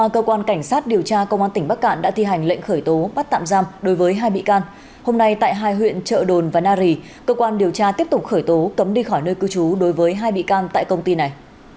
cơ quan cảnh sát điều tra công an tỉnh bắc cạn đã thi hành lệnh khởi tố bắt tạm giam đối với hai bị can hôm nay tại hai huyện trợ đồn và na rì cơ quan điều tra tiếp tục khởi tố cấm đi khỏi nơi cư trú đối với hai bị can tại công ty này